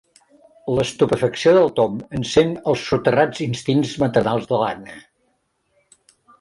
L'estupefacció del Tom encén els soterrats instints maternals de l'Anna.